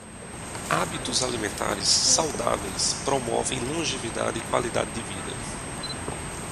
Hábitos alimentares saudáveis promovem longevidade e qualidade de vida.